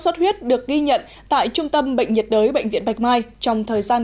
xuất huyết được ghi nhận tại trung tâm bệnh nhiệt đới bệnh viện bạch mai trong thời gian